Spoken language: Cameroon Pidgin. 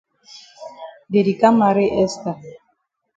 Dey di kam maret Esther.